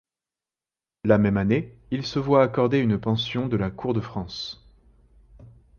La même année, il se voit accorder une pension de la cour de France.